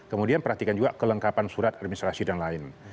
kemudian perhatikan juga kelengkapan surat administrasi dan lain